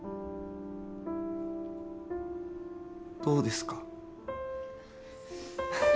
どうですか？